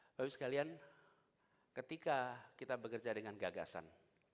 bapak ibu sekalian ketika kita bekerja dengan gagasan